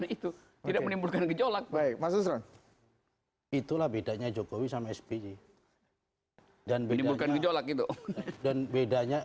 itu tidak menimbulkan gejolak baik baik itulah bedanya jokowi sama sby dan bedanya dan bedanya